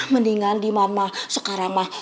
mendingan di manma sekarang mah